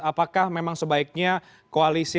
apakah sebaiknya koalisi